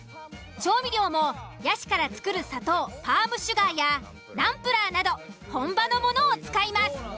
調味料もヤシから作る砂糖パームシュガーやナンプラーなど本場のものを使います。